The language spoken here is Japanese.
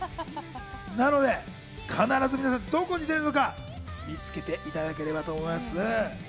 なので、必ず皆さん、どこに出るのか、見つけていただければと思います。